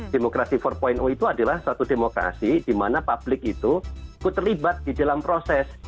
demokrasi empat itu adalah suatu demokrasi di mana publik itu terlibat di dalam proses